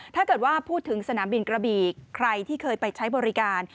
ถ้าเกิดว่าพูดถึงสนามบินกระบี่ใครที่เคยไปใช้บริการ